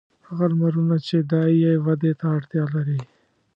هغه لمرونه چې دی یې ودې ته اړتیا لري.